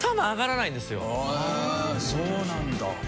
そうなんだ。